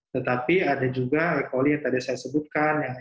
tetapi ada juga e coli yang tadi saya sebutkan